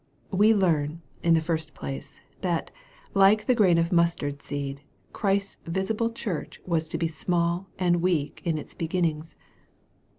We learn, in the first place, that, like the grain of mustard seed, Christ's visible, church was to be small and weak in its beginnings.